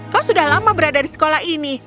kau sudah lama berada di sekolah ini